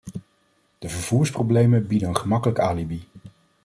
De vervoersproblemen bieden een gemakkelijk alibi.